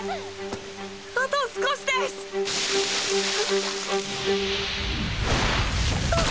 あと少しです！あっ！